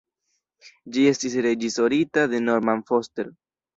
Ĝi estis reĝisorita de Norman Foster.